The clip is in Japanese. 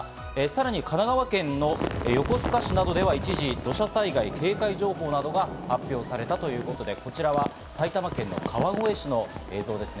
さらに神奈川県横須賀市などでは、一時、土砂災害警戒情報が発表されたということで、こちらは埼玉県川越市の映像です。